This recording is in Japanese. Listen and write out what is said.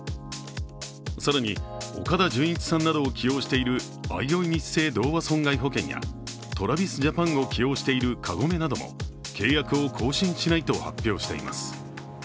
更に、岡田准一さんなどを起用しているあいおいニッセイ同和損害保険やＴｒａｖｉｓＪａｐａｎを起用しているカゴメなども契約を更新しないと発表しています。